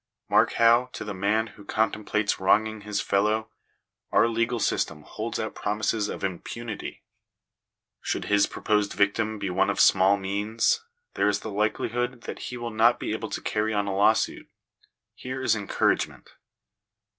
Mark how, to the man who contemplates wronging his fellow, our legal system holds out promises of impunity. Should his proposed Digitized by VjOOQIC THE DUTY OF THE STATE. 261 victim be one of small means, there is the likelihood that he will not be able to carry on a law suit : here is encouragement.